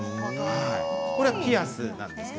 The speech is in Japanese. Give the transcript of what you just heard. これはピアスです。